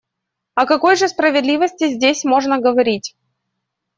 О какой же справедливости здесь можно говорить?